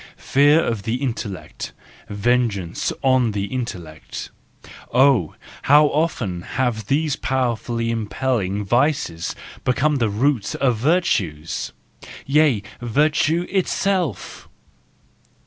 Fear of the intellect, vengeance on the intellect—Oh! how often have these powerfully impelling vices become the root of virtues ! Yea, virtue itself